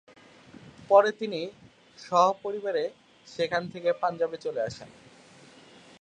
পরে তিনি স্বপরিবারে সেখান থেকে পাঞ্জাবে চলে আসেন।